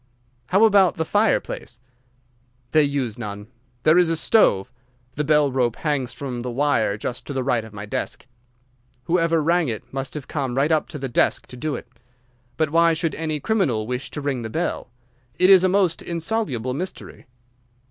"How about the fireplace?" "They use none. There is a stove. The bell rope hangs from the wire just to the right of my desk. Whoever rang it must have come right up to the desk to do it. But why should any criminal wish to ring the bell? It is a most insoluble mystery."